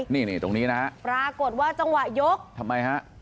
นี่ตรงนี้นะฮะปรากฏว่าจังหวะยกทำไมฮะ